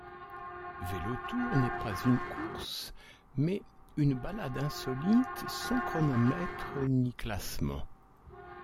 Vélotour n'est pas une course mais une balade insolite, sans chronomètre ni classement.